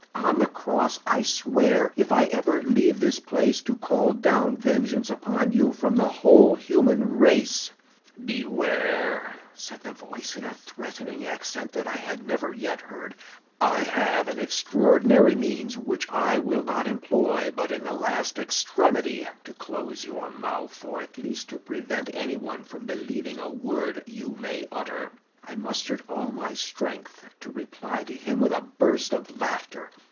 On the cross I swear, if I ever leave this place, to call down vengeance upon you from the whole human race!' "'Beware!' said the voice, in a threatening accent that I had never yet heard. 'I have an extraordinary means which I will not employ but in the last extremity to close your mouth, or at least to prevent anyone from believing a word you may utter.' "I mustered all my strength to reply to him with a burst of laughter.